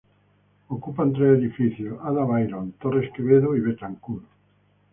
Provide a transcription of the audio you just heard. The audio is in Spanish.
Ocupa tres edificios: Ada Byron, Torres Quevedo y Betancourt.